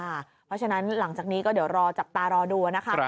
เพราะฉะนั้นหลังจากนี้ก็เดี๋ยวรอจับตารอดูนะคะ